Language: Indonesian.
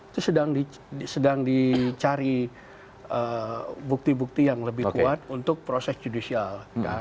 itu sedang dicari bukti bukti yang lebih kuat untuk proses judicial